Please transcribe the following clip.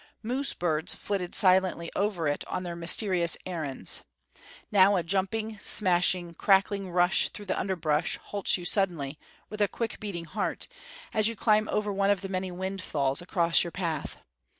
Moose birds flitted silently over it on their mysterious errands. Now a jumping, smashing, crackling rush through the underbrush halts you suddenly, with quick beating heart, as you climb over one of the many windfalls across your path.